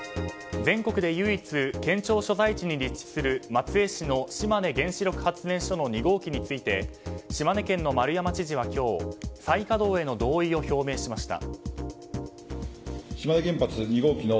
全国で唯一県庁所在地に立地する松江市の島根原子力発電所の２号機について島根県の丸山知事は今日再稼働への同意を表明しました。